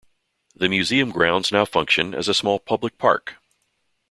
The museum grounds now function as a small public park.